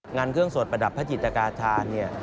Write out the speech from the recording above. งานเครื่องสดประดับพระจิตกาธานเนี่ย